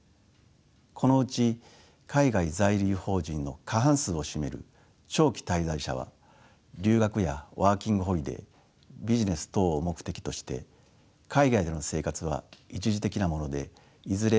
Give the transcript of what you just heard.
このうち海外在留邦人の過半数を占める長期滞在者は留学やワーキングホリデービジネス等を目的として海外での生活は一時的なものでいずれ